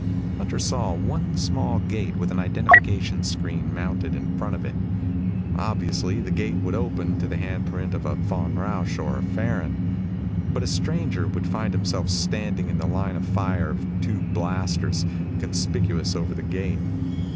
Hunter saw one small gate with an identification screen mounted in front of it. Obviously the gate would open to the handprint of a Von Rausch or a Farren. But a stranger would find himself standing in the line of fire of two blasters, conspicuous over the gate.